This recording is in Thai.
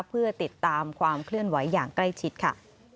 เพื่อติดตามความเคลื่อนไหวอย่างใกล้ชิดค่ะ